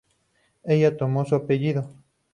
Ella tomó su apellido.